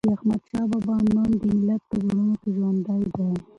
د احمد شاه بابا نوم د ملت په زړونو کې ژوندی دی.